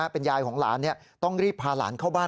เป็นยายของหลานต้องรีบพาหลานเข้าบ้าน